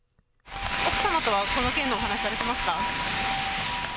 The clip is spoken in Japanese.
奥様とはこの件でお話しされていますか？